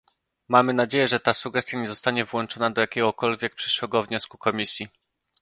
Mamy nadzieję, że ta sugestia nie zostanie włączona do jakiegokolwiek przyszłego wniosku Komisji